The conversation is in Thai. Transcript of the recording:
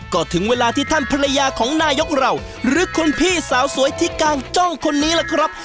ก็ถึงเวลาที่ท่านภรรยาของนายกเราหรือคุณพี่สาวสวยที่กางจ้องคนนี้ล่ะครับ